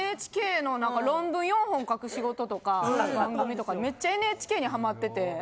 ＮＨＫのなんか論文４本書く仕事とか番組とかめっちゃＮＨＫにハマってて。